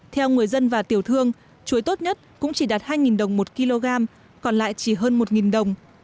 theo người dân và tiểu thương chuối tốt nhất cũng chỉ đạt hai đồng một kg còn lại chỉ hơn một đồng